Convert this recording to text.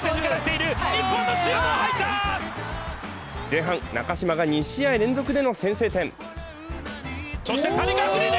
前半、中嶋が２試合連続での先制点。